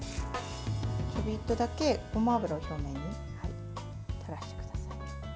ちょびっとだけごま油を表面に垂らします。